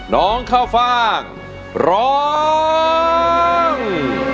น้องข้าวฟ่างร้อง